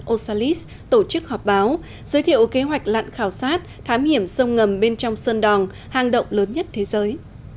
osalis tổ chức họp báo giới thiệu kế hoạch lặn khảo sát thám hiểm sông ngầm bên trong sơn đòn hang động lớn nhất thế giới